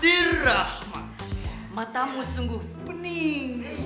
dirahmat matamu sungguh pening